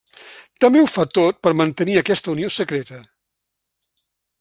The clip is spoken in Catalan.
També ho fa tot per mantenir aquesta unió secreta.